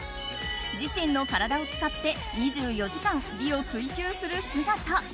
自身の体を使って２４時間、美を追求する姿。